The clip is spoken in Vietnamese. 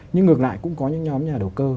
nhưng ngược lại cũng có những nhóm nhà đầu cơ